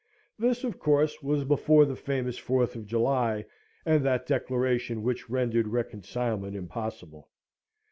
This, of course, was before the famous Fourth of July, and that Declaration which rendered reconcilement impossible.